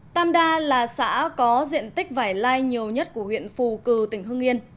tam đa là xã có diện tích vải lai nhiều nhất của huyện phù cử tỉnh hưng yên